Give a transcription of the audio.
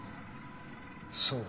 そう。